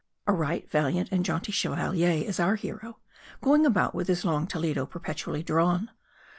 A right valiant and jaunty Chevalier is our hero ; going about with his long Toledo perpetually drawn.